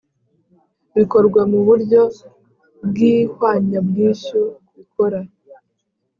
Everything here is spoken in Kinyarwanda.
bikorwa mu buryo bw ihwanyabwishyu bikora